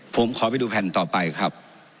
ผมขอไปดูแผ่นต่อไปครับ